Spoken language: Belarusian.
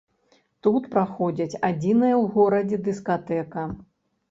Тут праходзіць адзіная ў горадзе дыскатэка.